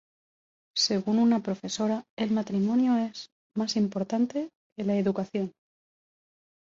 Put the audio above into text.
Según una profesora el matrimonio es más importante que la educación.